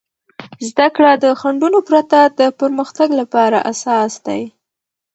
زده کړه د خنډونو پرته د پرمختګ لپاره اساس دی.